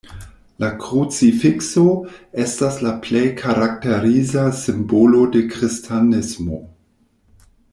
La krucifikso estas la plej karakteriza simbolo de kristanismo.